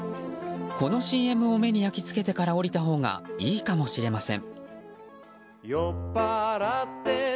このＣＭを目に焼き付けてから降りたほうがいいかもしれません。